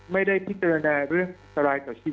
ไม่ได้พิจารณาเรื่องอันตรายต่อชีวิต